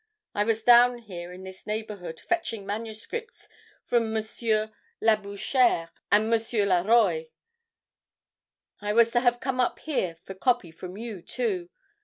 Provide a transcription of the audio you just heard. I was down here in this neighborhood fetching manuscripts from M. Labouchere and M. Laroy. I was to have come up here for copy from you, too.